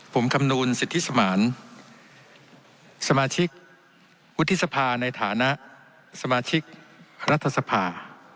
ผมคำนวณสิทธิสมานสมาชิกวุฒิสภาในฐานะสมาชิกรัฐสภา